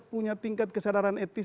punya tingkat kesadaran etis